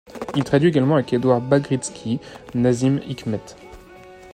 Il traduit également, avec Edouard Bagritski, Nâzım Hikmet.